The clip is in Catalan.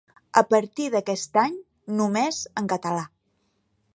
A partir d'aquest any, només en català.